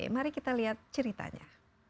mari kita lihat ceritanya